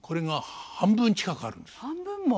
半分も。